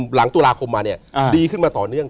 หลังตุลาคมดีขึ้นมาต่อเนื่อง